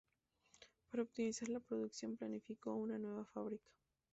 Para optimizar la producción planificó una nueva fábrica.